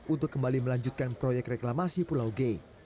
untuk kembali melanjutkan proyek reklamasi pulau g